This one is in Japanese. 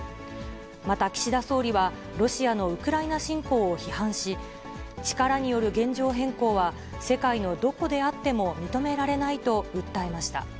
また岸田総理は、ロシアのウクライナ侵攻を批判し、力による現状変更は世界のどこであっても認められないと訴えました。